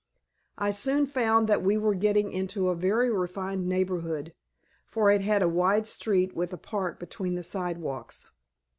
I soon found that we were getting into a very refined neighborhood, for it had a wide street with a park between the sidewalks.